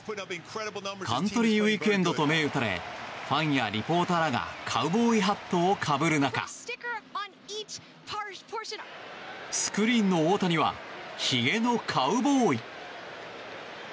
カントリー・ウィークエンドと銘打たれファンやリポーターらがカウボーイハットをかぶる中スクリーンの大谷はひげのカウボーイ。